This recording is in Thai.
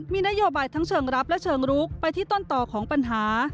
มีนโยบายทั้งเชิงรับและเชิงลุกไปที่ต้นต่อของปัญหา